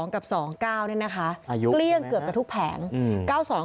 ๙๒กับ๒๙นี่นะคะเกลี้ยงเกือบจากทุกแผง